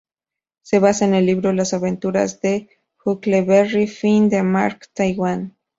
Se basa en el libro Las aventuras de Huckleberry Finn de Mark Twain.